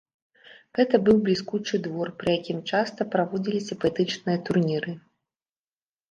Гэта быў бліскучы двор, пры якім часта праводзіліся паэтычныя турніры.